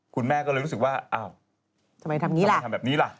คุณแม่ก็เลยรู้สึกว่าทำไมทำแบบนี้ล่ะ